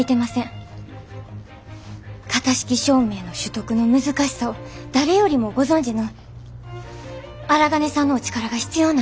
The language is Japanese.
型式証明の取得の難しさを誰よりもご存じの荒金さんのお力が必要なんです。